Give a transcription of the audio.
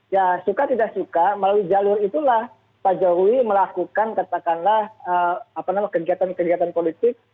ya suka tidak suka melalui jalur itulah pak jokowi melakukan katakanlah kegiatan kegiatan politik